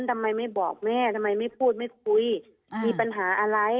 ทำไมไม่บอกแม่ทำไมไม่พูดไม่คุยมีปัญหาอะไร